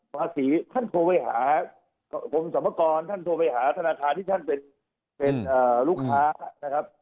ภาษีท่านโทรไปหากรมสรรพากรท่านโทรไปหาธนาคารที่ท่านเป็นลูกค้านะครับ